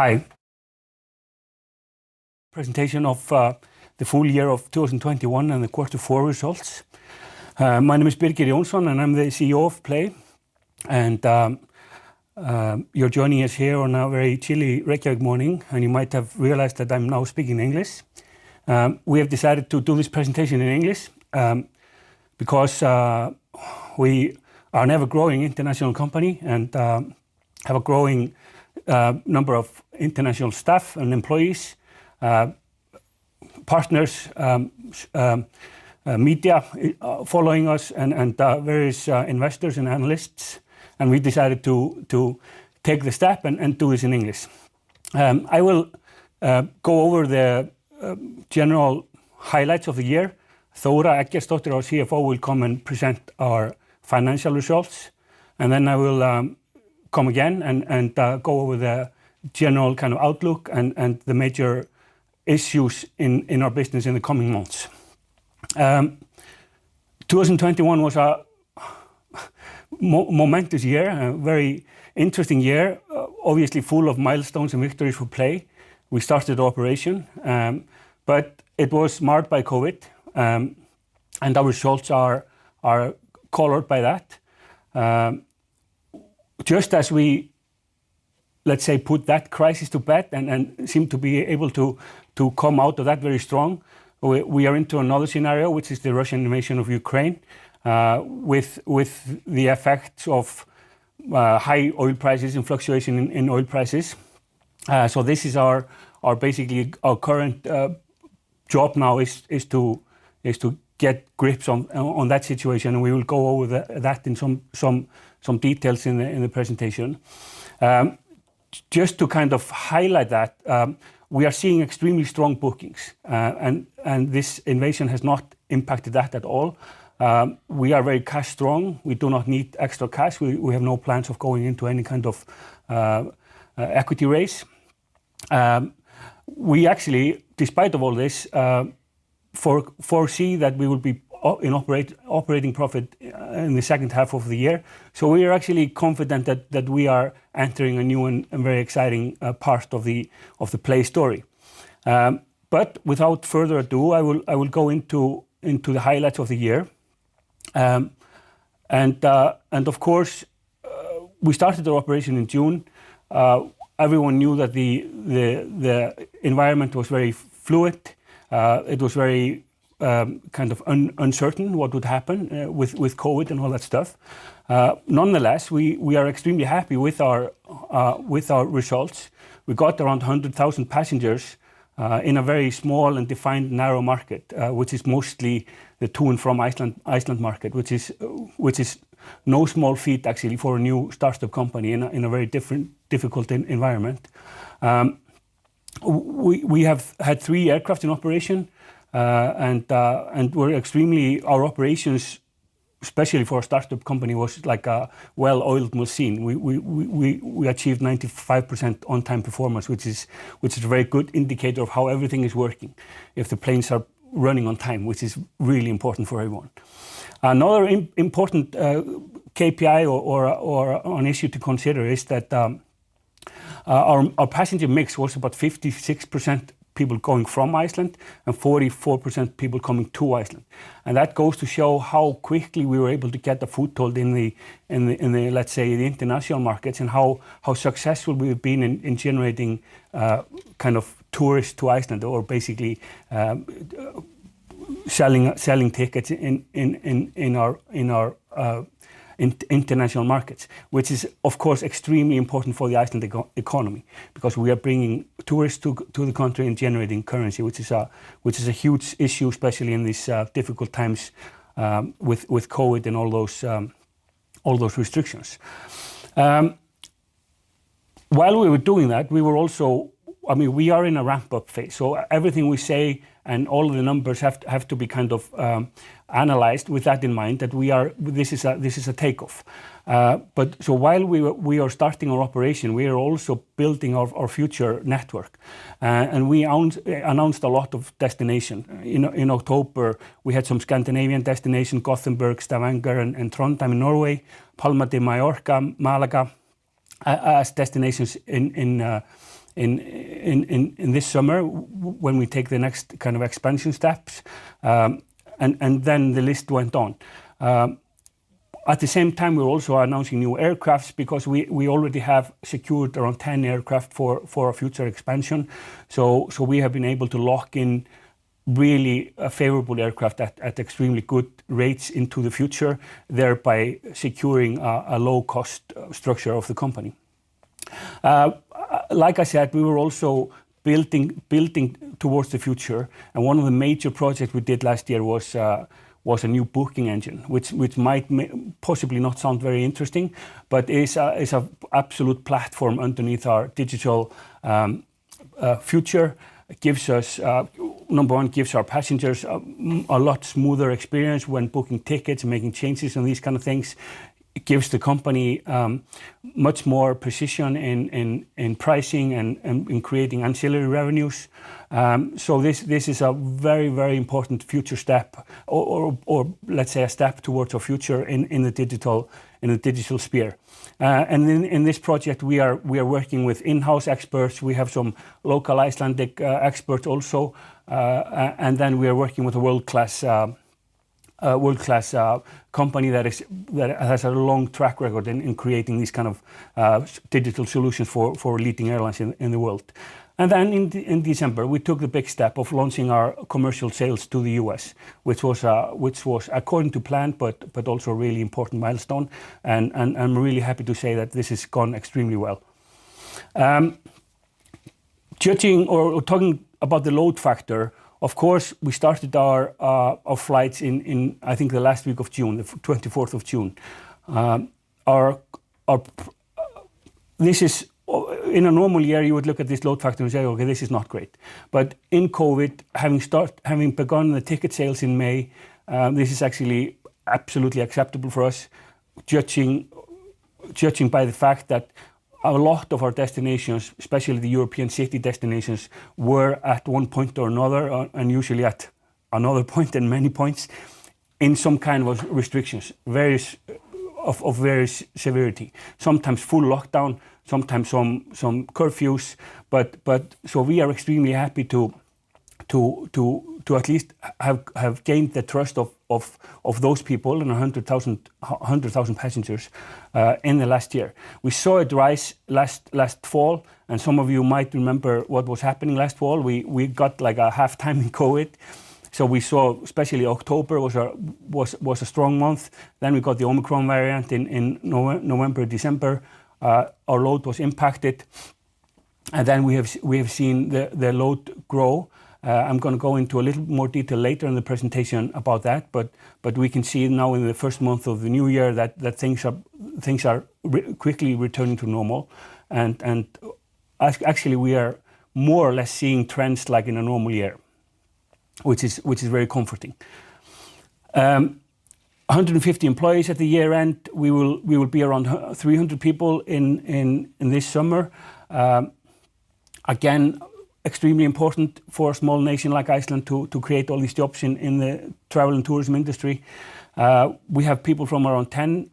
Hi. Presentation of the full year of 2021 and the quarter four results. My name is Birgir Jónsson, and I'm the CEO of PLAY. You're joining us here on a very chilly Reykjavík morning, and you might have realized that I'm now speaking English. We have decided to do this presentation in English because we are an ever-growing international company and have a growing number of international staff and employees, partners, media following us and various investors and analysts, and we decided to take the step and do this in English. I will go over the general highlights of the year. Þóra Eggertsdóttir, our CFO, will come and present our financial results, and then I will come again and go over the general kind of outlook and the major issues in our business in the coming months. 2021 was a momentous year and a very interesting year, obviously full of milestones and victories for PLAY. We started operation, but it was marred by COVID, and our results are colored by that. Just as we, let's say, put that crisis to bed and seem to be able to come out of that very strong, we are into another scenario, which is the Russian invasion of Ukraine, with the effect of high oil prices and fluctuation in oil prices. This is basically our current job now is to get grips on that situation, and we will go over that in some details in the presentation. Just to kind of highlight that, we are seeing extremely strong bookings, and this invasion has not impacted that at all. We are very cash strong. We do not need extra cash. We have no plans of going into any kind of equity raise. We actually, despite of all this, foresee that we will be in operating profit in the second half of the year. We are actually confident that we are entering a new and very exciting part of the PLAY story. Without further ado, I will go into the highlights of the year. Of course, we started our operation in June. Everyone knew that the environment was very fluid. It was very kind of uncertain what would happen with COVID and all that stuff. Nonetheless, we are extremely happy with our results. We got around 100,000 passengers in a very small and defined narrow market, which is mostly the to and from Iceland market, which is no small feat actually for a new startup company in a very different difficult environment. We have had three aircraft in operation and our operations, especially for a startup company, was like a well-oiled machine. We achieved 95% on-time performance, which is a very good indicator of how everything is working if the planes are running on time, which is really important for everyone. Another important KPI or an issue to consider is that our passenger mix was about 56% people coming from Iceland and 44% people coming to Iceland and that goes to show how quickly we were able to get the foothold in the, let's say, the international markets and how successful we've been in generating kind of tourists to Iceland or basically selling tickets in our international markets, which is, of course, extremely important for the Icelandic economy because we are bringing tourists to the country and generating currency, which is a huge issue, especially in these difficult times with COVID and all those restrictions. While we were doing that, we were also. I mean, we are in a ramp-up phase, so everything we say and all of the numbers have to be kind of analyzed with that in mind. This is a takeoff. We are starting our operation, we are also building our future network. We announced a lot of destinations. In October, we had some Scandinavian destinations, Gothenburg, Stavanger, and Trondheim in Norway, Palma de Mallorca, Málaga as destinations in this summer when we take the next kind of expansion steps, and then the list went on. At the same time, we're also announcing new aircraft because we already have secured around 10 aircraft for our future expansion. We have been able to lock in really a favorable aircraft at extremely good rates into the future, thereby securing a low cost structure of the company. Like I said, we were also building towards the future, and one of the major projects we did last year was a new booking engine, which might possibly not sound very interesting, but it's an absolute platform underneath our digital future. It gives us number one, gives our passengers a lot smoother experience when booking tickets and making changes and these kind of things. It gives the company much more precision in pricing and in creating ancillary revenues. This is a very important future step or let's say a step towards our future in the digital sphere. In this project, we are working with in-house experts. We have some local Icelandic experts also, and then we are working with a world-class company that has a long track record in creating these kind of digital solutions for leading airlines in the world. In December, we took a big step of launching our commercial sales to the U.S., which was according to plan, but also a really important milestone. I'm really happy to say that this has gone extremely well. Judging or talking about the load factor, of course, we started our flights in, I think the last week of June, 24th of June. Our performance, this is, or in a normal year, you would look at this load factor and say, "Okay, this is not great." But in COVID, having begun the ticket sales in May, this is actually absolutely acceptable for us judging by the fact that a lot of our destinations, especially the European city destinations, were at one point or another and usually at another point and many points, in some kind of restrictions, various, of various severity. Sometimes full lockdown, sometimes some curfews, so we are extremely happy to at least have gained the trust of those people and 100,000 passengers in the last year. We saw a rise last fall, and some of you might remember what was happening last fall. We got like a half-time in COVID, so we saw especially October was a strong month. We got the Omicron variant in November, December. Our load was impacted, and then we have seen the load grow. I'm gonna go into a little more detail later in the presentation about that, but we can see now in the first month of the new year that things are quickly returning to normal. Actually, we are more or less seeing trends like in a normal year, which is very comforting. 150 employees at the year-end. We will be around 300 people in this summer. Again, extremely important for a small nation like Iceland to create all these jobs in the travel and tourism industry. We have people from around 10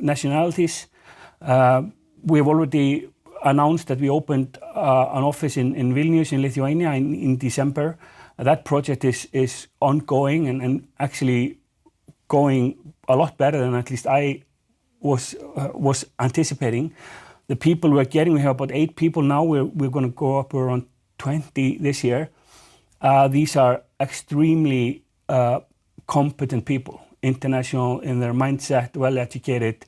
nationalities. We have already announced that we opened an office in Vilnius in Lithuania in December. That project is ongoing and actually going a lot better than at least I was anticipating. The people we are getting, we have about eight people now. We're gonna go up around 20 this year. These are extremely competent people, international in their mindset, well-educated.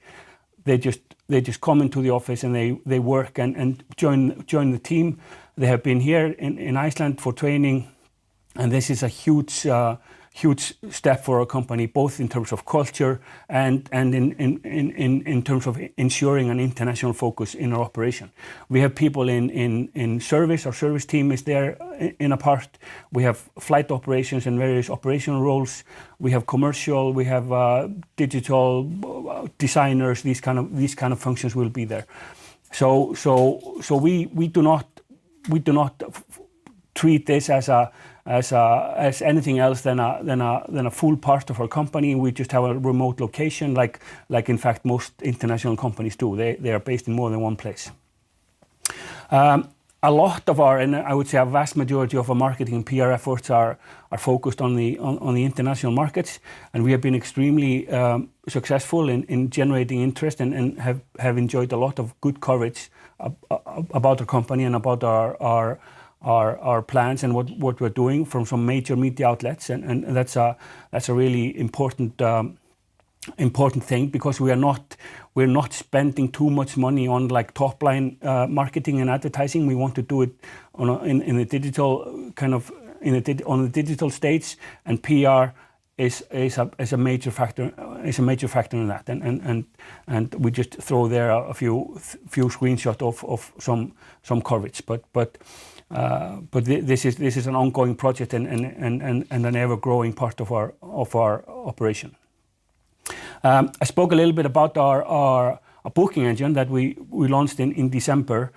They just come into the office, and they work and join the team. They have been here in Iceland for training, and this is a huge step for our company both in terms of culture and in terms of ensuring an international focus in our operation. We have people in service. Our service team is there in part. We have flight operations and various operational roles. We have commercial. We have digital designers. These kind of functions will be there. We do not treat this as anything else than a full part of our company. We just have a remote location like in fact most international companies do. They are based in more than one place. A lot of our, and I would say a vast majority of our marketing and PR efforts are focused on the international markets. We have been extremely successful in generating interest and have enjoyed a lot of good coverage about our company and about our plans and what we're doing from some major media outlets, and that's a really important thing because we're not spending too much money on like top-line marketing and advertising. We want to do it in a digital stage, and PR is a major factor in that. We just throw there a few screenshots of some coverage. This is an ongoing project and an ever-growing part of our operation. I spoke a little bit about our booking engine that we launched in December.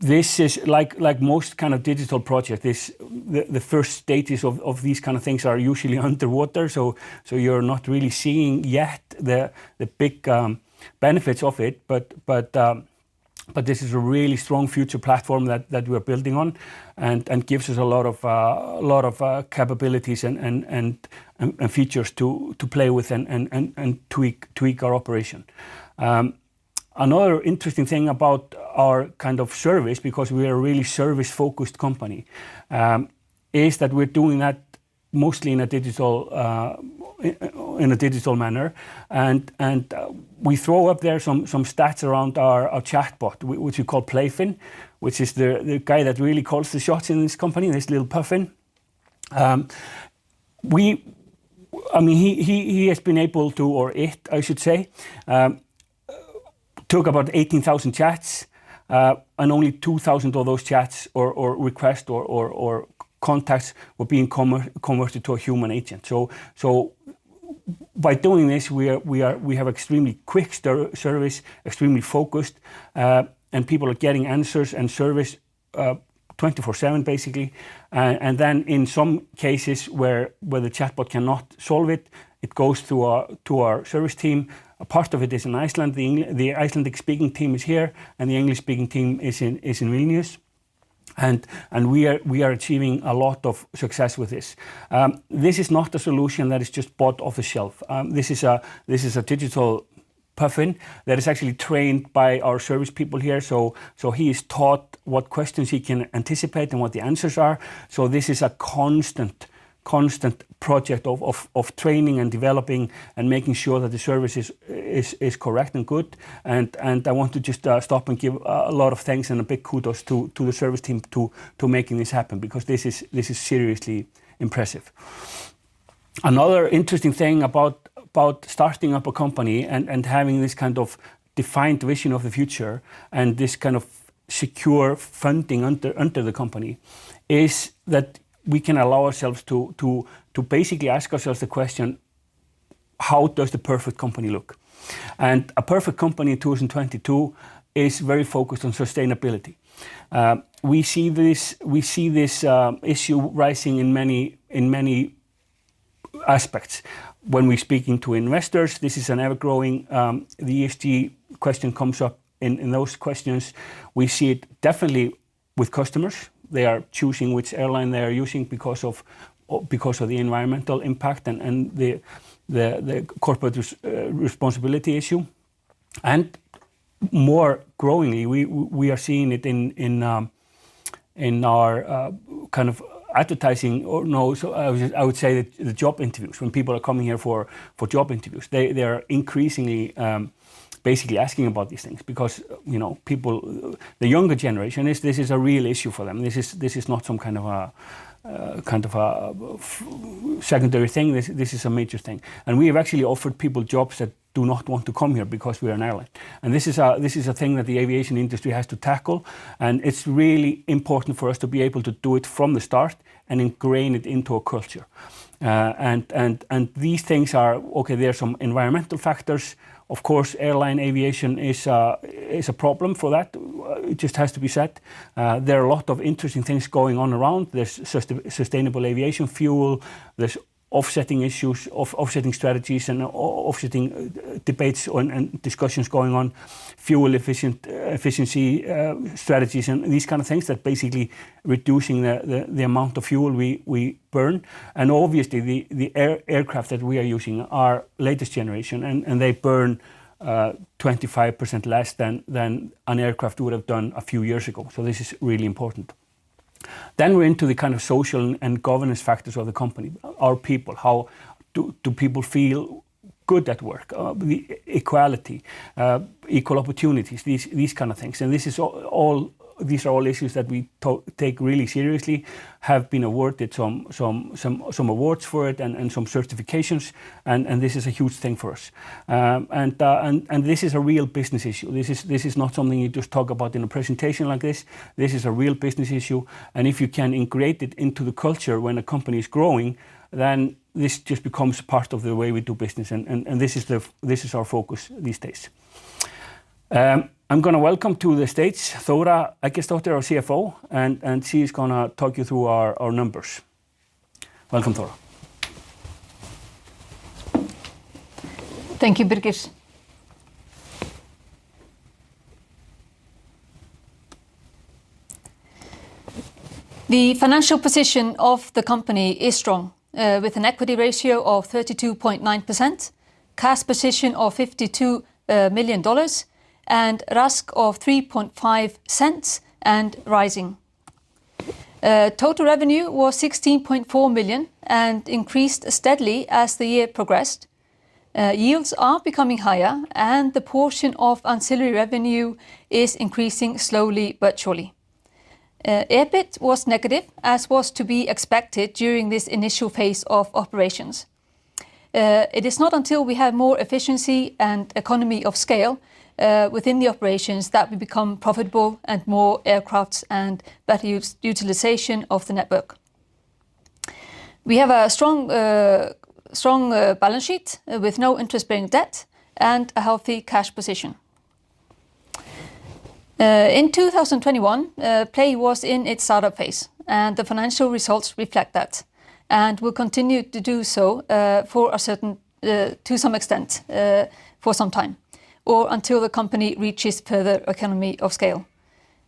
This is like most kind of digital project; the first stages of these kind of things are usually underwater. You're not really seeing yet the big benefits of it. This is a really strong future platform that we're building on and gives us a lot of capabilities and features to play with and tweak our operation. Another interesting thing about our kind of service, because we are a really service-focused company, is that we're doing that mostly in a digital manner. We throw up there some stats around our chatbot, which we call Playfin, which is the guy that really calls the shots in this company, this little puffin. I mean, it, I should say, took about 18,000 chats, and only 2,000 of those chats or requests or contacts were being converted to a human agent. By doing this, we have extremely quick service, extremely focused, and people are getting answers and service 24/7 basically. In some cases where the chatbot cannot solve it goes to our service team. A part of it is in Iceland. The Icelandic-speaking team is here, and the English-speaking team is in Vilnius. We are achieving a lot of success with this. This is not a solution that is just bought off the shelf. This is a digital puffin that is actually trained by our service people here. He is taught what questions he can anticipate and what the answers are. This is a constant project of training and developing and making sure that the service is correct and good. I want to just stop and give a lot of thanks and a big kudos to the service team to making this happen because this is seriously impressive. Another interesting thing about starting up a company and having this kind of defined vision of the future and this kind of secure funding under the company is that we can allow ourselves to basically ask ourselves the question, how does the perfect company look? A perfect company in 2022 is very focused on sustainability. We see this issue rising in many aspects. When we're speaking to investors, this is an ever-growing ESG question comes up in those questions. We see it definitely with customers. They are choosing which airline they are using because of the environmental impact and the corporate responsibility issue. More growingly, we are seeing it in our kind of advertising. I would say the job interviews, when people are coming here for job interviews, they are increasingly basically asking about these things because, you know, people, the younger generation, this is a real issue for them. This is not some kind of a secondary thing. This is a major thing. We have actually offered people jobs that do not want to come here because we are an airline. This is a thing that the aviation industry has to tackle, and it's really important for us to be able to do it from the start and ingrain it into a culture. These things are. Okay, there are some environmental factors. Of course, airline aviation is a problem for that. It just has to be said. There are a lot of interesting things going on around this sustainable aviation fuel. There's offsetting issues, offsetting strategies and offsetting debates and discussions going on, fuel efficiency strategies and these kind of things that basically reducing the amount of fuel we burn. Obviously, the aircraft that we are using are latest generation, and they burn 25% less than an aircraft would have done a few years ago. This is really important. We're into the kind of social and governance factors of the company. Our people, how do people feel good at work? The equality, equal opportunities, these kind of things. These are all issues that we take really seriously, have been awarded some awards for it and some certifications, and this is a huge thing for us. This is a real business issue. This is not something you just talk about in a presentation like this. This is a real business issue, and if you can ingrain it into the culture when a company is growing, this just becomes part of the way we do business. This is our focus these days. I'm gonna welcome to the stage Þóra Eggertsdóttir, our CFO, and she is gonna talk you through our numbers. Welcome, Þóra. Thank you, Birgir. The financial position of the company is strong, with an equity ratio of 32.9%, cash position of $52 million, and RASK of $3.5 and rising. Total revenue was $16.4 million and increased steadily as the year progressed. Yields are becoming higher, and the portion of ancillary revenue is increasing slowly but surely. EBIT was negative, as was to be expected during this initial phase of operations. It is not until we have more efficiency and economy of scale within the operations that we become profitable and more aircraft and better utilization of the network. We have a strong balance sheet with no interest-bearing debt and a healthy cash position. In 2021, PLAY was in its startup phase, and the financial results reflect that, and will continue to do so, to some extent, for some time, or until the company reaches further economies of scale.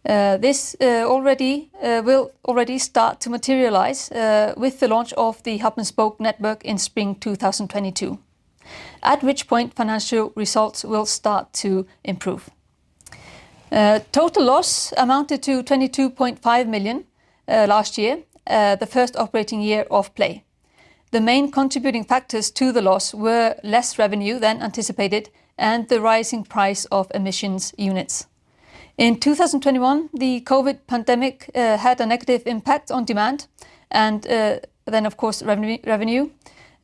This will already start to materialize with the launch of the hub-and-spoke network in spring 2022, at which point financial results will start to improve. Total loss amounted to 22.5 million last year, the first operating year of PLAY. The main contributing factors to the loss were less revenue than anticipated and the rising price of emissions units. In 2021, the COVID pandemic had a negative impact on demand and then of course revenue.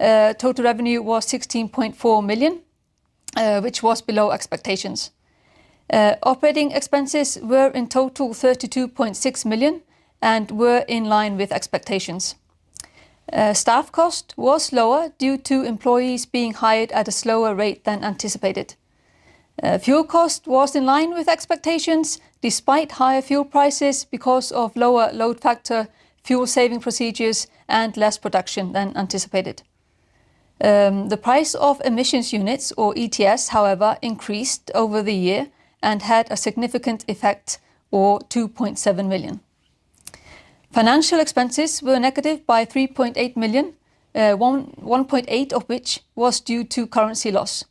Total revenue was 16.4 million, which was below expectations. Operating expenses were in total 32.6 million and were in line with expectations. Staff cost was lower due to employees being hired at a slower rate than anticipated. Fuel cost was in line with expectations despite higher fuel prices because of lower load factor, fuel saving procedures, and less production than anticipated. The price of emissions units or ETS, however, increased over the year and had a significant effect of 2.7 million. Financial expenses were negative by 3.8 million, 1.8 of which was due to currency loss.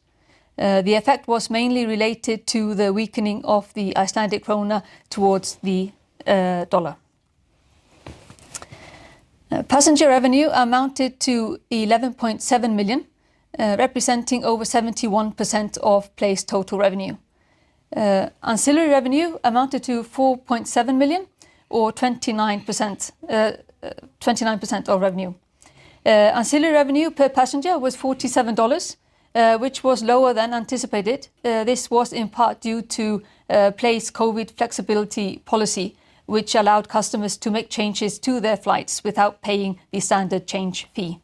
The effect was mainly related to the weakening of the Icelandic krona towards the dollar. Passenger revenue amounted to 11.7 million, representing over 71% of PLAY's total revenue. Ancillary revenue amounted to 4.7 million or 29% of revenue. Ancillary revenue per passenger was $47, which was lower than anticipated. This was in part due to PLAY's COVID flexibility policy, which allowed customers to make changes to their flights without paying the standard change fee.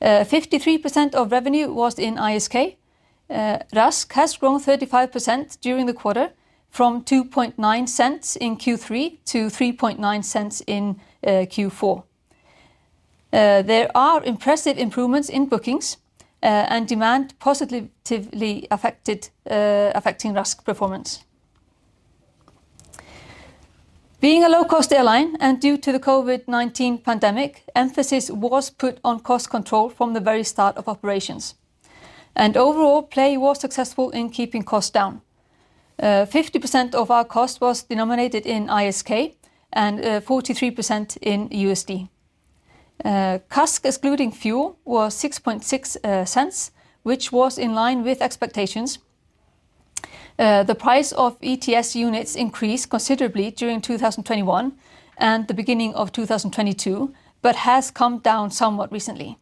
53% of revenue was in ISK. RASK has grown 35% during the quarter from $0.029 in Q3 to $0.039 in Q4. There are impressive improvements in bookings and demand positively affecting RASK performance. Being a low-cost airline and due to the COVID-19 pandemic, emphasis was put on cost control from the very start of operations, and overall, PLAY was successful in keeping costs down. 50% of our cost was denominated in ISK and 43% in USD. CASK excluding fuel was $0.066, which was in line with expectations. The price of ETS units increased considerably during 2021 and the beginning of 2022 but has come down somewhat recently.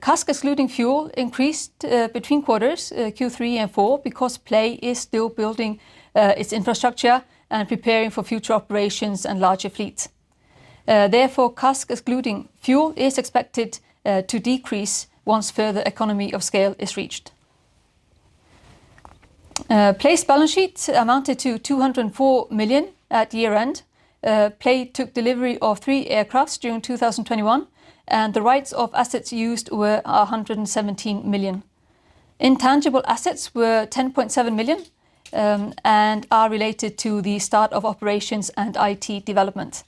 CASK excluding fuel increased between quarters Q3 and Q4, because PLAY is still building its infrastructure and preparing for future operations and larger fleets. Therefore, CASK excluding fuel is expected to decrease once further economies of scale is reached. PLAY's balance sheet amounted to 204 million at year-end. PLAY took delivery of three aircraft during 2021, and the right-of-use assets were 117 million. Intangible assets were 10.7 million and are related to the start of operations and IT development.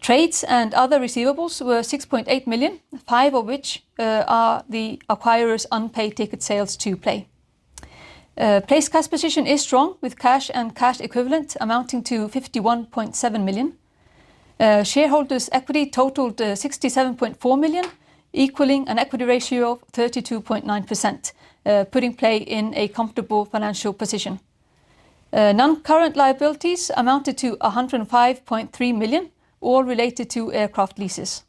Trade and other receivables were 6.8 million, 5 of which are the acquirer's unpaid ticket sales to PLAY. PLAY's cash position is strong, with cash and cash equivalents amounting to 51.7 million. Shareholders' equity totaled 67.4 million, equaling an equity ratio of 32.9%, putting PLAY in a comfortable financial position. Non-current liabilities amounted to 105.3 million, all related to aircraft leases.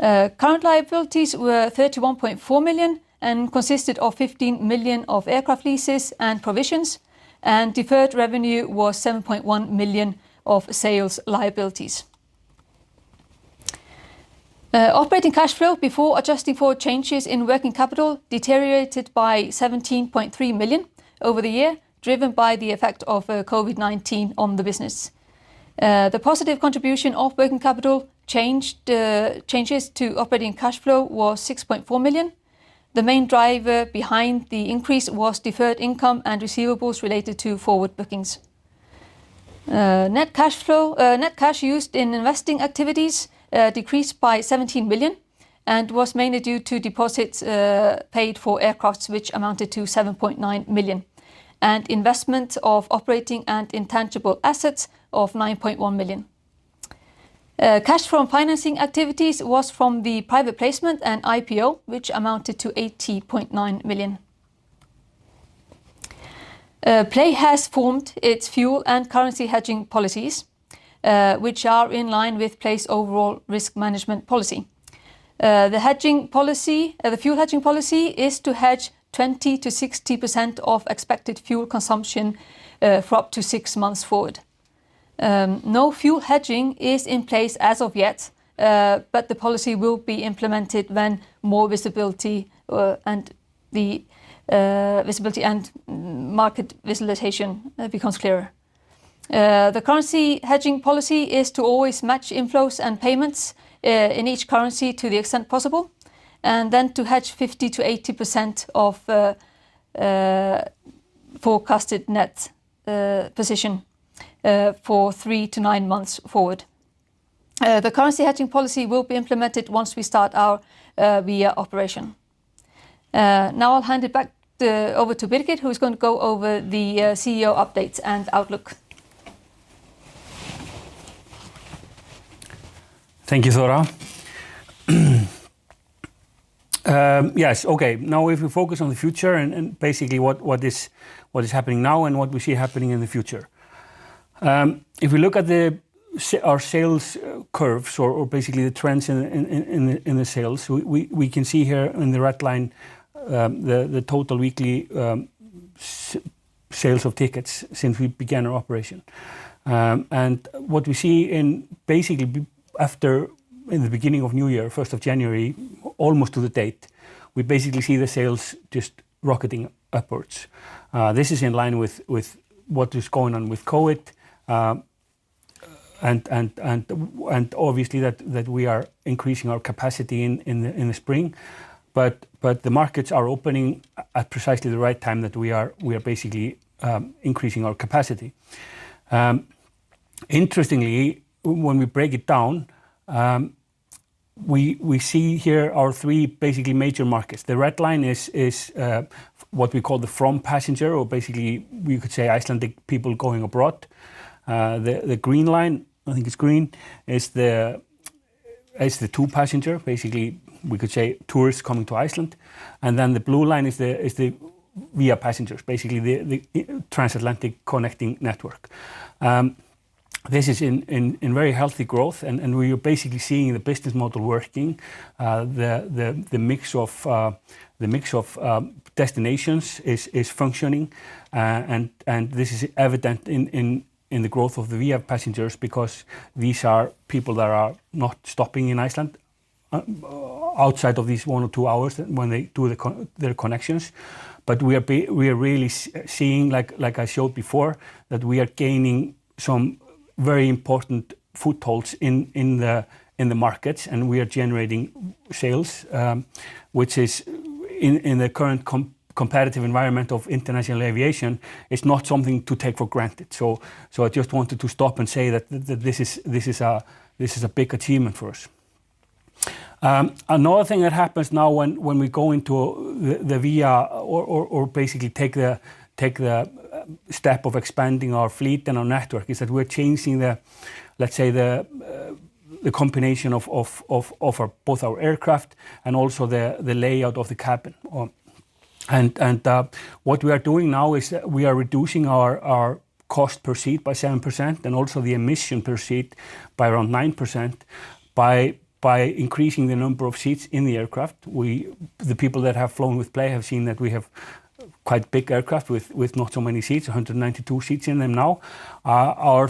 Current liabilities were 31.4 million and consisted of 15 million of aircraft leases and provisions, and deferred revenue was 7.1 million of sales liabilities. Operating cash flow before adjusting for changes in working capital deteriorated by 17.3 million over the year, driven by the effect of COVID-19 on the business. The positive contribution of working capital changes to operating cash flow was 6.4 million. The main driver behind the increase was deferred income and receivables related to forward bookings. Net cash used in investing activities decreased by 17 million and was mainly due to deposits paid for aircraft which amounted to 7.9 million, and investment of operating and intangible assets of 9.1 million. Cash from financing activities was from the private placement and IPO, which amounted to 80.9 million. PLAY has formed its fuel and currency hedging policies, which are in line with PLAY's overall risk management policy. The fuel hedging policy is to hedge 20%-60% of expected fuel consumption for up to six months forward. No fuel hedging is in place as of yet, but the policy will be implemented when more visibility and market stabilization becomes clearer. The currency hedging policy is to always match inflows and payments in each currency to the extent possible, and then to hedge 50%-80% of forecasted net position for three to nine months forward. The currency hedging policy will be implemented once we start our operations. Now I'll hand it back over to Birgir, who's gonna go over the CEO updates and outlook. Thank you, Þóra. Yes, okay. Now if we focus on the future and basically what is happening now and what we see happening in the future. If we look at our sales curves or basically the trends in the sales, we can see here in the red line the total weekly sales of tickets since we began our operation. What we see basically after in the beginning of new year, first of January, almost to the date, we basically see the sales just rocketing upwards. This is in line with what is going on with COVID. Obviously that we are increasing our capacity in the spring, but the markets are opening at precisely the right time that we are basically increasing our capacity. Interestingly, when we break it down, we see here our three basically major markets. The red line is what we call the from passenger, or basically you could say Icelandic people going abroad. The green line, I think it's green, is the to passenger, basically we could say tourists coming to Iceland. Then the blue line is the via passengers, basically the transatlantic connecting network. This is in very healthy growth and we are basically seeing the business model working. The mix of destinations is functioning, and this is evident in the growth of the via passengers because these are people that are not stopping in Iceland outside of these one or two hours when they do their connections. We are really seeing, like I showed before, that we are gaining some very important footholds in the markets and we are generating sales, which is in the current competitive environment of international aviation. It's not something to take for granted. I just wanted to stop and say that this is a big achievement for us. Another thing that happens now when we basically take the step of expanding our fleet and our network is that we're changing, let's say, the combination of both our aircraft and also the layout of the cabin. What we are doing now is we are reducing our cost per seat by 7% and also the emission per seat by around 9% by increasing the number of seats in the aircraft. The people that have flown with PLAY have seen that we have quite big aircraft with not so many seats, 192 seats in them now. Our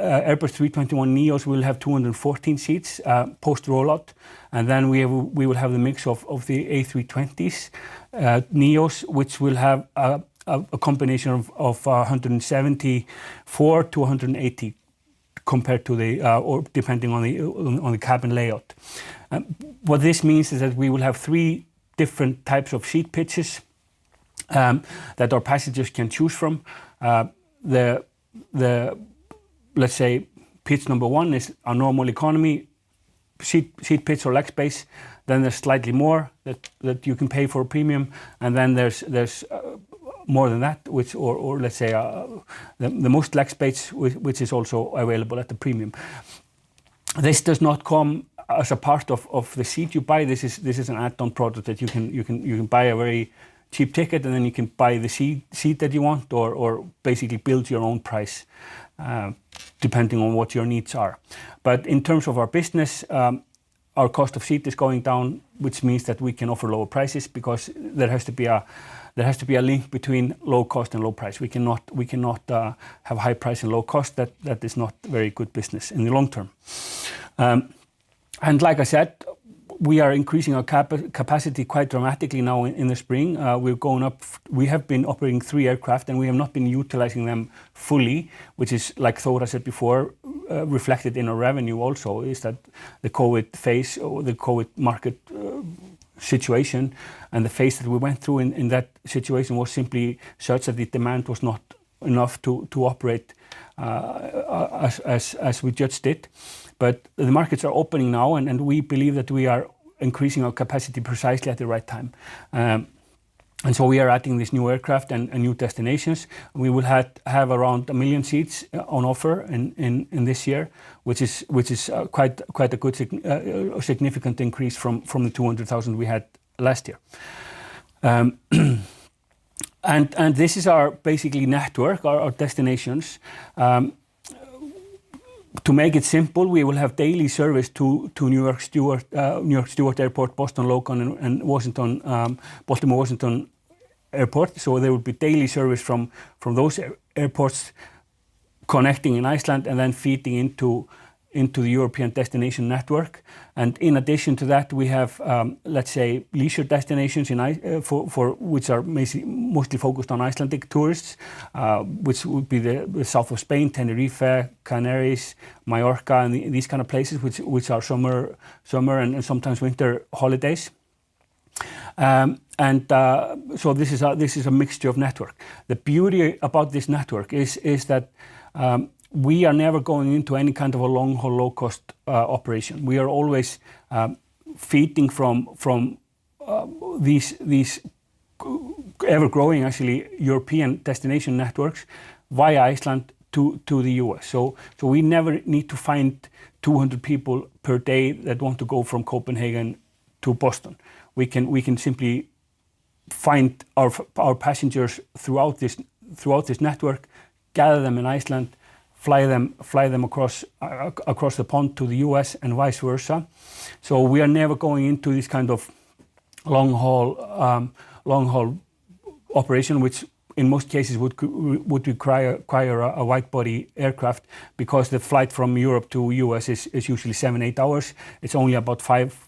Airbus A321neos will have 214 seats post-rollout, and then we will have the mix of the A320neos, which will have a combination of 174-180 or depending on the cabin layout. What this means is that we will have three different types of seat pitches that our passengers can choose from. The, let's say pitch number one is our normal economy seat pitch or leg space. Then there's slightly more that you can pay for a premium, and then there's more than that, which or let's say the most leg space which is also available at a premium. This does not come as a part of the seat you buy. This is an add-on product that you can buy a very cheap ticket, and then you can buy the seat that you want or basically build your own price, depending on what your needs are. In terms of our business, our cost of seat is going down, which means that we can offer lower prices because there has to be a link between low cost and low price. We cannot have high price and low cost. That is not very good business in the long term. Like I said, we are increasing our capacity quite dramatically now in the spring. We have been operating three aircraft, and we have not been utilizing them fully, which is, like Þóra said before, reflected in our revenue also, is that the COVID phase or the COVID market situation and the phase that we went through in that situation was simply such that the demand was not enough to operate as we just did. The markets are opening now and we believe that we are increasing our capacity precisely at the right time. We are adding these new aircraft and new destinations. We will have around a million seats on offer in this year, which is quite a good sign, significant increase from the 200,000 we had last year. This is our basic network, our destinations. To make it simple, we will have daily service to New York Stewart Airport, Boston Logan, and Baltimore-Washington Airport. So there will be daily service from those airports connecting in Iceland and then feeding into the European destination network. In addition to that, we have let's say leisure destinations in Iceland which are mostly focused on Icelandic tourists, which would be the South of Spain, Tenerife, Canaries, Majorca, and these kind of places, which are summer and sometimes winter holidays. This is a mixture of network. The beauty about this network is that we are never going into any kind of a long-haul low-cost operation. We are always feeding from these ever-growing actually European destination networks via Iceland to the U.S. We never need to find 200 people per day that want to go from Copenhagen to Boston. We can simply find our passengers throughout this network, gather them in Iceland, fly them across the pond to the U.S. and vice versa. We are never going into this kind of long-haul operation, which in most cases would require a wide-body aircraft because the flight from Europe to U.S. is usually seven, eight hours. It's only about five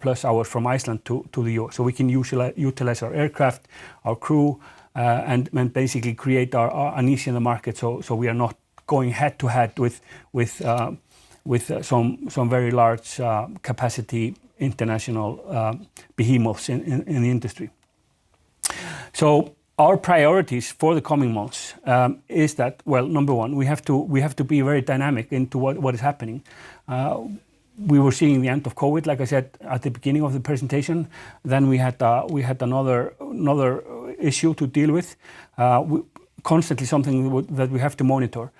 plus hours from Iceland to the EU. We can utilize our aircraft, our crew, and basically create a niche in the market so we are not going head-to-head with some very large capacity international behemoths in the industry. Our priorities for the coming months is that well, number one, we have to be very dynamic into what is happening. We were seeing the end of COVID, like I said at the beginning of the presentation. We had another issue to deal with constantly something that we have to monitor.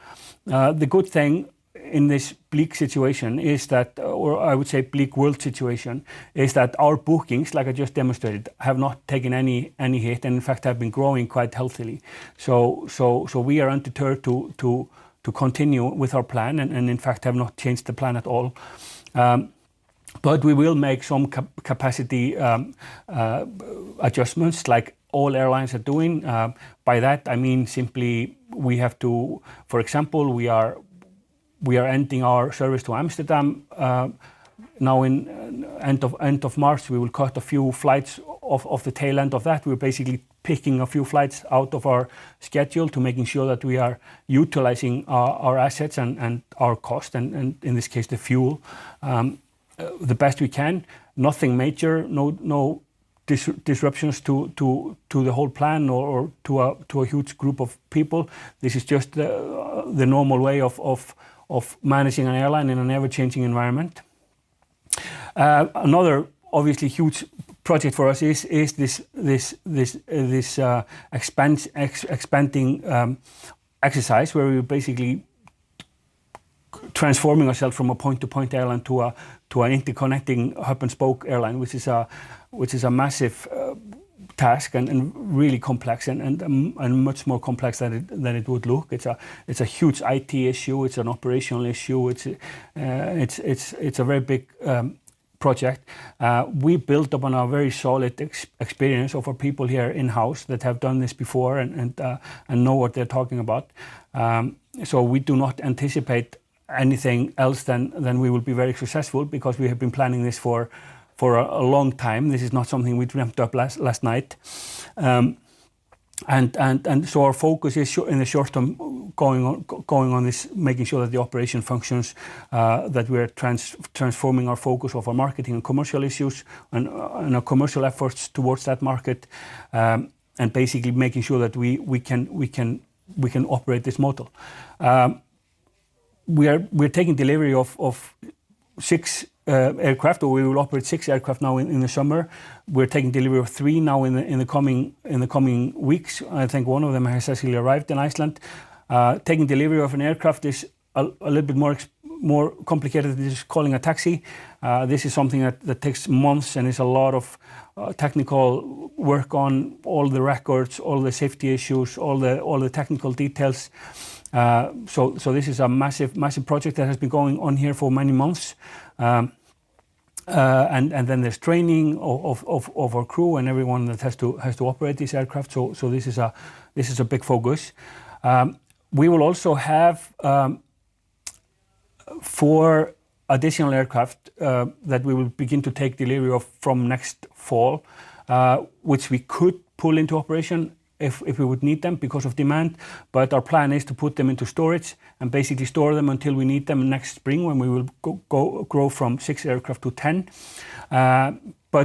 The good thing in this bleak situation is that, or I would say bleak world situation, is that our bookings, like I just demonstrated, have not taken any hit and, in fact, have been growing quite healthily. We are undeterred to continue with our plan and, in fact, have not changed the plan at all. But we will make some capacity adjustments like all airlines are doing. By that I mean simply we have to. For example, we are ending our service to Amsterdam now in end of March, we will cut a few flights off the tail end of that. We're basically picking a few flights out of our schedule to making sure that we are utilizing our assets and our cost and in this case the fuel the best we can. Nothing major, no disruptions to the whole plan or to a huge group of people. This is just the normal way of managing an airline in an ever-changing environment. Another obviously huge project for us is this expanding exercise where we're basically transforming ourself from a point-to-point airline to an interconnecting hub-and-spoke airline, which is a massive task and really complex and much more complex than it would look. It's a huge IT issue. It's an operational issue. It's a very big project. We built upon our very solid experience of our people here in-house that have done this before and know what they're talking about. We do not anticipate anything else than we would be very successful because we have been planning this for a long time. This is not something we dreamt up last night. Our focus is in the short term, going on this making sure that the operation functions, that we're transforming our focus of our marketing and commercial issues and our commercial efforts towards that market and basically making sure that we can operate this model. We're taking delivery of six aircraft, or we will operate six aircraft now in the summer. We're taking delivery of three now in the coming weeks. I think one of them has actually arrived in Iceland. Taking delivery of an aircraft is a little bit more complicated than just calling a taxi. This is something that takes months and is a lot of technical work on all the records, all the safety issues, all the technical details. This is a massive project that has been going on here for many months. There's training of our crew and everyone that has to operate these aircraft. This is a big focus. We will also have four additional aircraft that we will begin to take delivery of from next fall, which we could pull into operation if we would need them because of demand. Our plan is to put them into storage and basically store them until we need them next spring when we will grow from six aircraft to 10.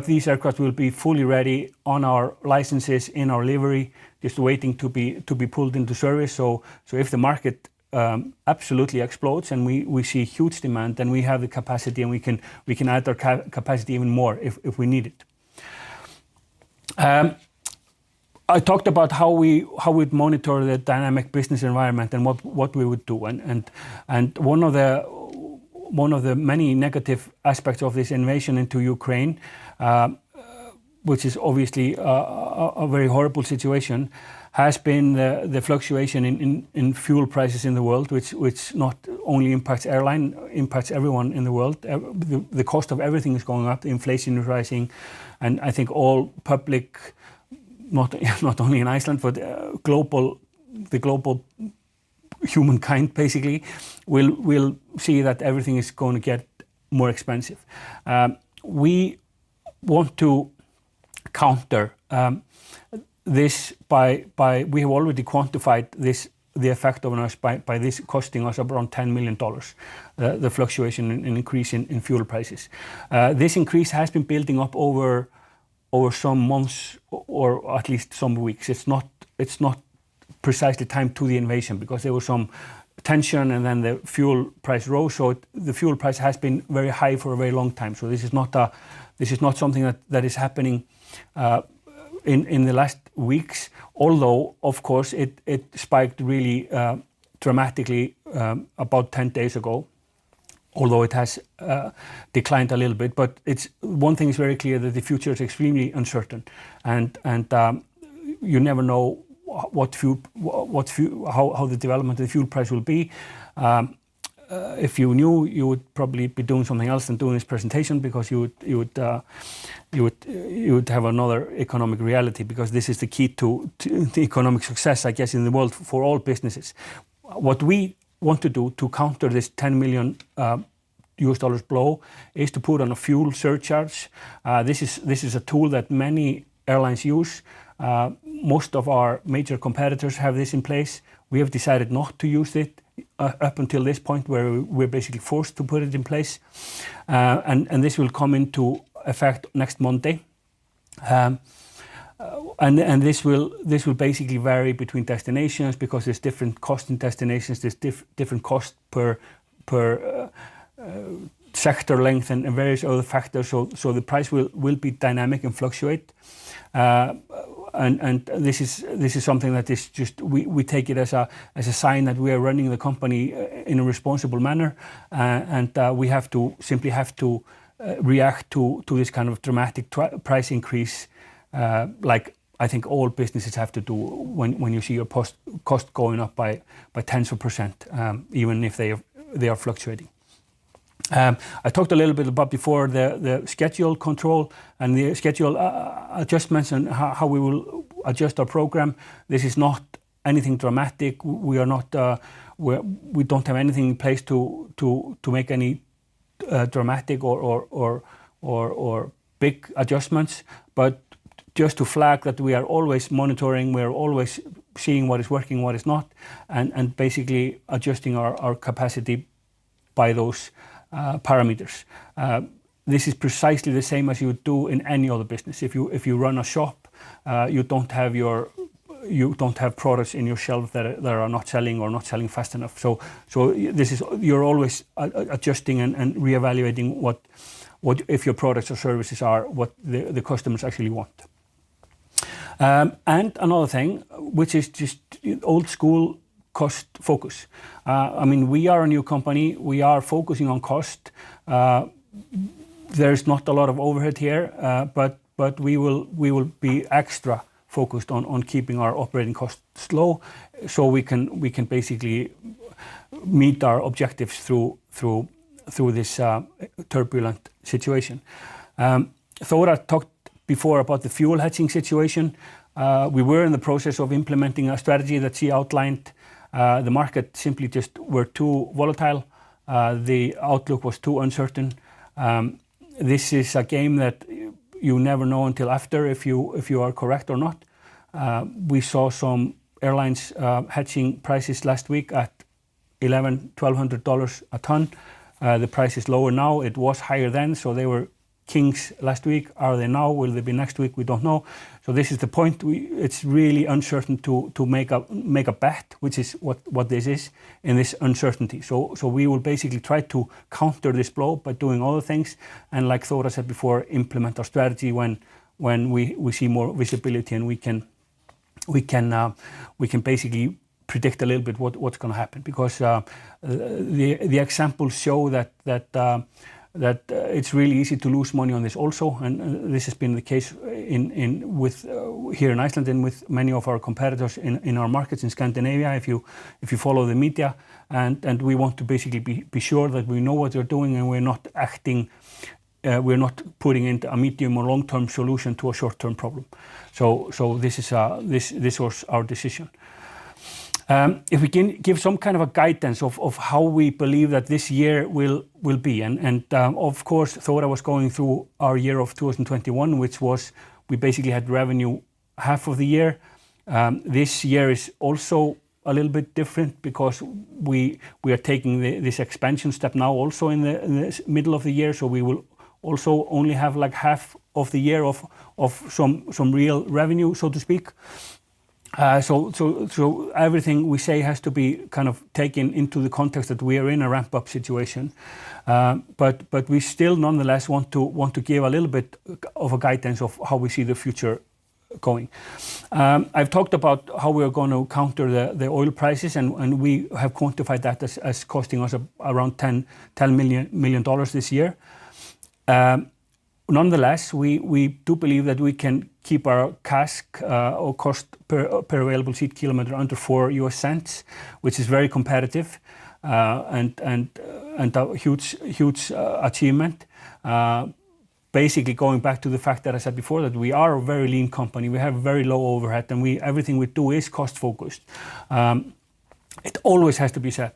These aircraft will be fully ready on our licenses, in our livery, just waiting to be pulled into service. If the market absolutely explodes and we see huge demand, then we have the capacity and we can add our capacity even more if we need it. I talked about how we'd monitor the dynamic business environment and what we would do and one of the many negative aspects of this invasion into Ukraine, which is obviously a very horrible situation, has been the fluctuation in fuel prices in the world, which not only impacts everyone in the world. The cost of everything is going up, the inflation is rising, and I think the public, not only in Iceland, but the global humankind basically will see that everything is gonna get more expensive. We want to counter this. We have already quantified the effect on us by this costing us around $10 million, the fluctuation and increase in fuel prices. This increase has been building up over some months or at least some weeks. It's not precisely timed to the invasion because there was some tension and then the fuel price rose. The fuel price has been very high for a very long time. This is not something that is happening in the last weeks, although, of course, it spiked really dramatically about 10 days ago, although it has declined a little bit. One thing is very clear, that the future is extremely uncertain and you never know how the development of the fuel price will be. If you knew, you would probably be doing something else than doing this presentation because you would have another economic reality because this is the key to the economic success, I guess, in the world for all businesses. What we want to do to counter this $10 million blow is to put on a fuel surcharge. This is a tool that many airlines use. Most of our major competitors have this in place. We have decided not to use it up until this point where we're basically forced to put it in place. This will come into effect next Monday. This will basically vary between destinations because there's different cost in destinations. There's different cost per sector length and various other factors. The price will be dynamic and fluctuate. This is something that is just we take it as a sign that we are running the company in a responsible manner, and we have to simply react to this kind of dramatic price increase, like I think all businesses have to do when you see your cost going up by tens of %, even if they are fluctuating. I talked a little bit about before the schedule control and the schedule adjustment and how we will adjust our program. This is not anything dramatic. We don't have anything in place to make any dramatic or big adjustments, but just to flag that we are always monitoring, we are always seeing what is working, what is not, and basically adjusting our capacity by those parameters. This is precisely the same as you would do in any other business. If you run a shop, you don't have products in your shelf that are not selling or not selling fast enough. This is, you're always adjusting and reevaluating what if your products or services are what the customers actually want. Another thing, which is just old school cost focus. I mean, we are a new company. We are focusing on cost. There is not a lot of overhead here, but we will be extra focused on keeping our operating costs low so we can basically meet our objectives through this turbulent situation. Þóra talked before about the fuel hedging situation. We were in the process of implementing a strategy that she outlined. The market simply just were too volatile. The outlook was too uncertain. This is a game that you never know until after if you are correct or not. We saw some airlines hedging prices last week at $1,100-$1,200 a ton. The price is lower now. It was higher then, so they were kings last week. Are they now? Will they be next week? We don't know. This is the point. It's really uncertain to make a bet, which is what this is, in this uncertainty. We will basically try to counter this blow by doing all the things, and like Þóra said before, implement our strategy when we see more visibility, and we can basically predict a little bit what's gonna happen. Because the examples show that it's really easy to lose money on this also, and this has been the case here in Iceland and with many of our competitors in our markets in Scandinavia, if you follow the media. We want to basically be sure that we know what we're doing and we're not acting, we're not putting in a medium or long-term solution to a short-term problem. This was our decision. If we can give some kind of a guidance of how we believe that this year will be, and of course, Þóra was going through our year of 2021, which was we basically had revenue half of the year. This year is also a little bit different because we are taking this expansion step now also in this middle of the year, so we will also only have, like, half of the year of some real revenue, so to speak. Everything we say has to be kind of taken into the context that we are in a ramp-up situation. We still nonetheless want to give a little bit of a guidance of how we see the future going. I've talked about how we are gonna counter the oil prices, and we have quantified that as costing us around $10 million this year. Nonetheless, we do believe that we can keep our CASK or cost per available seat kilometer under $0.04, which is very competitive, and a huge achievement. Basically going back to the fact that I said before that we are a very lean company. We have very low overhead, and everything we do is cost-focused. It always has to be said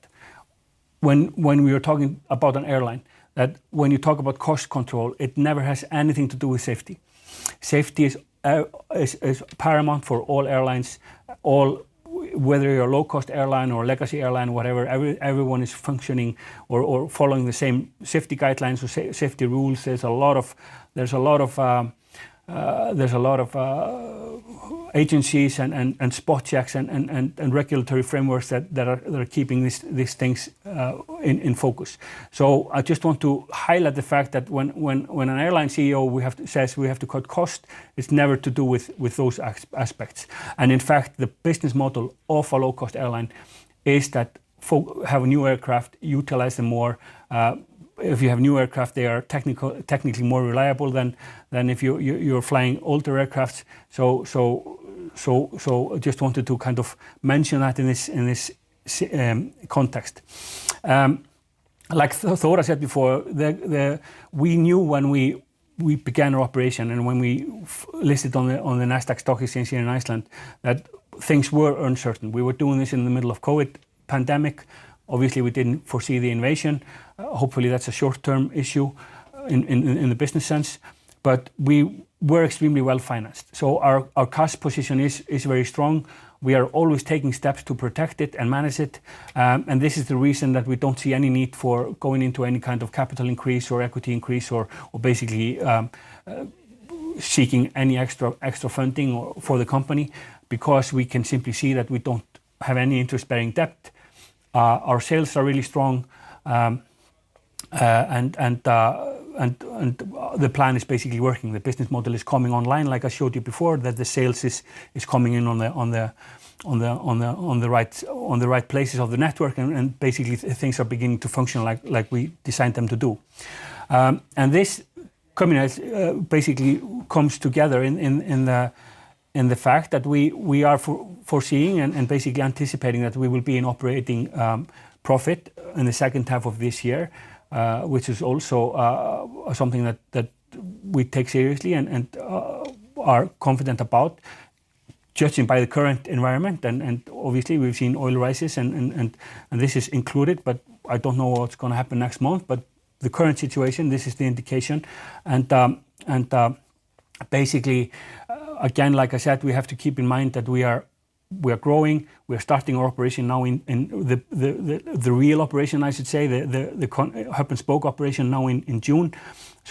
when we are talking about an airline, that when you talk about cost control, it never has anything to do with safety. Safety is paramount for all airlines, whether you're a low-cost airline or a legacy airline, whatever, everyone is functioning or following the same safety guidelines or safety rules. There's a lot of agencies and spot checks and regulatory frameworks that are keeping these things in focus. I just want to highlight the fact that when an airline CEO says we have to cut cost, it's never to do with those aspects. In fact, the business model of a low-cost airline is that folks have new aircraft, utilize them more. If you have new aircraft, they are technically more reliable than if you're flying older aircraft. Just wanted to kind of mention that in this context. Like Þóra said before, we knew when we began our operation and when we first listed it on the Nasdaq Iceland here in Iceland, that things were uncertain. We were doing this in the middle of COVID pandemic. Obviously, we didn't foresee the invasion. Hopefully, that's a short-term issue in a business sense, but we were extremely well-financed. Our cost position is very strong. We are always taking steps to protect it and manage it, and this is the reason that we don't see any need for going into any kind of capital increase or equity increase or basically seeking any extra funding for the company because we can simply see that we don't have any interest-bearing debt. Our sales are really strong, and the plan is basically working. The business model is coming online, like I showed you before, that the sales is coming in on the right places of the network and basically things are beginning to function like we designed them to do. This combination basically comes together in the fact that we are foreseeing and basically anticipating that we will be in operating profit in the second half of this year, which is also something that we take seriously and are confident about judging by the current environment and obviously we've seen oil prices and this is included, but I don't know what's gonna happen next month. The current situation, this is the indication and basically, again, like I said, we have to keep in mind that we are growing, we are starting our operation now in the real operation, I should say, the hub-and-spoke operation now in June.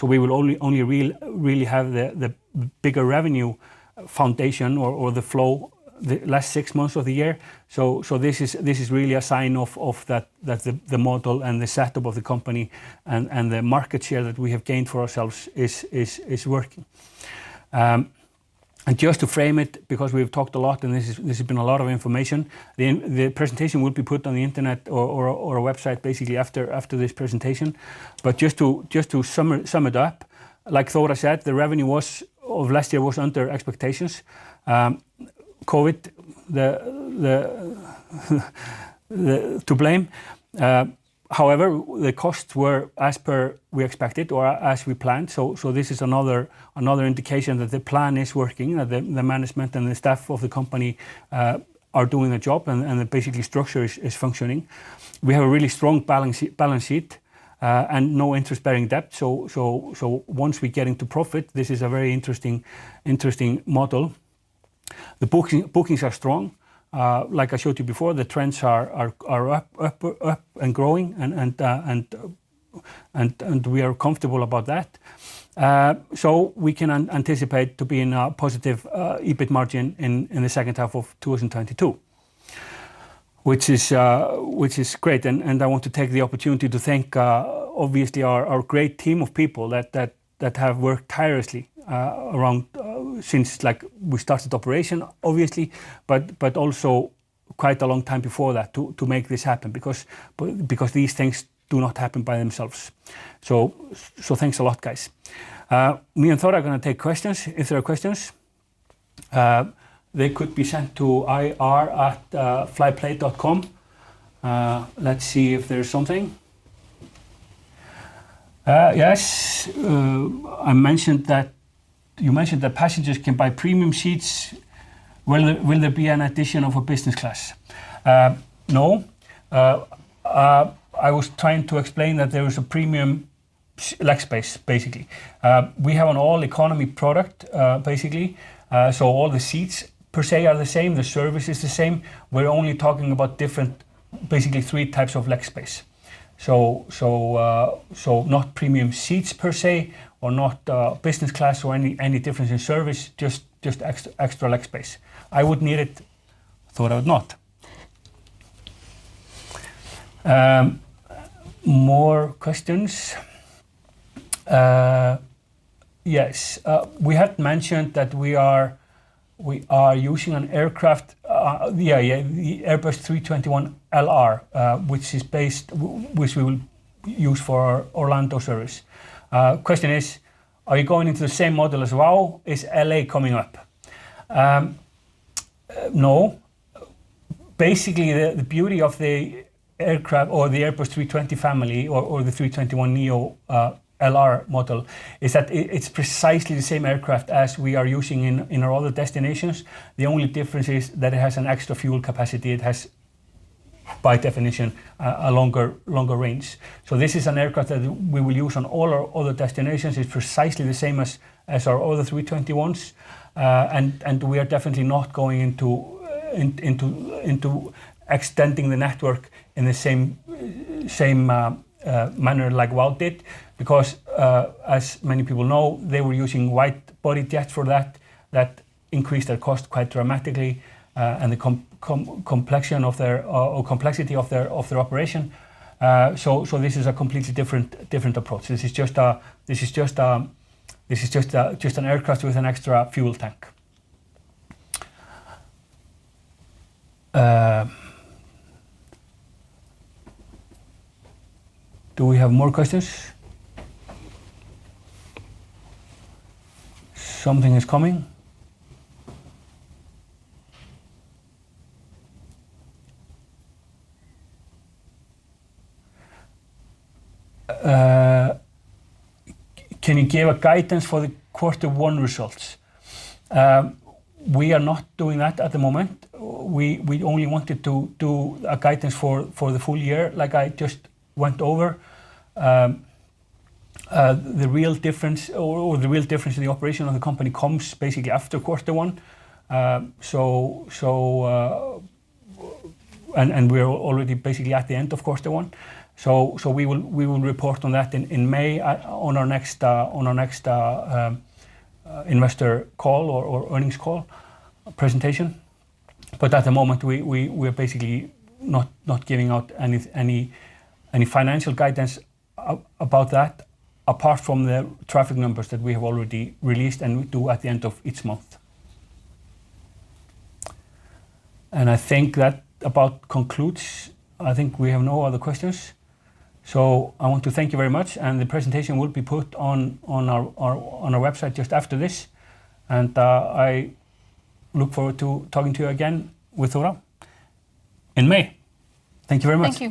We will only really have the bigger revenue foundation or the flow the last six months of the year. This is really a sign of that the model and the setup of the company and the market share that we have gained for ourselves is working. Just to frame it, because we've talked a lot and this has been a lot of information. The presentation will be put on the internet or our website basically after this presentation. Just to sum it up, like Þóra said, the revenue of last year was under expectations. COVID to blame. However, the costs were as per we expected or as we planned. This is another indication that the plan is working and the management and the staff of the company are doing their job and that basic structure is functioning. We have a really strong balance sheet and no interest-bearing debt. Once we get into profit, this is a very interesting model. The bookings are strong. Like I showed you before, the trends are up and growing and we are comfortable about that. We can anticipate to be in a positive EBIT margin in the second half of 2022, which is great, and I want to take the opportunity to thank obviously our great team of people that have worked tirelessly around since, like, we started operation, obviously, but also quite a long time before that to make this happen because these things do not happen by themselves. Thanks a lot, guys. Me and Þóra are gonna take questions. If there are questions, they could be sent to ir@flyplay.com. Let's see if there is something. Yes. I mentioned that. "You mentioned that passengers can buy premium seats. Will there be an addition of a business class?" No. I was trying to explain that there is a premium leg space, basically. We have an all economy product, basically. All the seats per se are the same. The service is the same. We're only talking about different, basically three types of leg space, not premium seats per se, or not business class or any difference in service, just extra leg space. I would need it, Þóra would not. More questions. Yes. We had mentioned that we are using an aircraft, the Airbus A321LR, which we will use for our Orlando service. Question is, "Are you going into the same model as WOW? Is L.A. coming up?" No. Basically, the beauty of the aircraft or the Airbus A320 family or the A321LR is that it's precisely the same aircraft as we are using in our other destinations. The only difference is that it has an extra fuel capacity. It has, by definition, a longer range. This is an aircraft that we will use on all our other destinations. It's precisely the same as our other A321s. We are definitely not going into extending the network in the same manner like WOW did because, as many people know, they were using wide-body jets for that. That increased their cost quite dramatically, and the complexity of their operation. This is a completely different approach. This is just an aircraft with an extra fuel tank. Do we have more questions? Something is coming. "Can you give a guidance for the quarter one results?" We are not doing that at the moment. We only wanted to do a guidance for the full year, like I just went over. The real difference in the operation of the company comes basically after quarter one. We're already basically at the end of quarter one. We will report on that in May at our next investor call or earnings call presentation. At the moment, we're basically not giving out any financial guidance about that, apart from the traffic numbers that we have already released and we do at the end of each month. I think that about concludes. I think we have no other questions. I want to thank you very much and the presentation will be put on our website just after this. I look forward to talking to you again with Þóra in May. Thank you very much. Thank you.